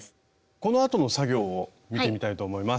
このあとの作業を見てみたいと思います。